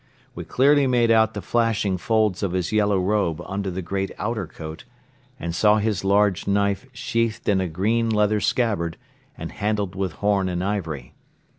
We clearly made out the flashing folds of his yellow robe under the great outer coat and saw his large knife sheathed in a green leather scabbard and handled with horn and ivory.